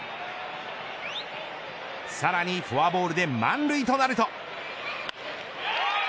さらにフォアボールで満塁となると。